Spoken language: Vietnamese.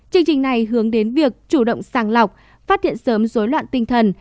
chương trình này hướng đến việc chủ động sàng lọc phát hiện sớm dối loạn tinh thần